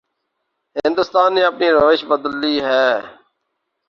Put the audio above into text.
ہندوستان نے اپنی روش بدلنی ہے۔